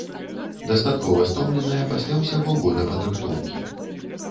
Дастаткова стомленая пасля ўсяго года падрыхтоўкі.